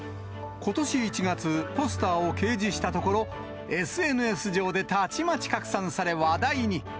ことし１月、ポスターを掲示したところ、ＳＮＳでたちまち拡散され、話題に。